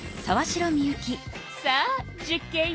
さあ実験よ。